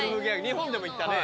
日本でも行ったね。